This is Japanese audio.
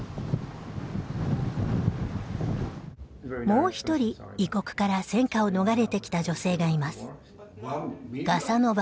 もう一人異国から戦火を逃れてきた女性がいます。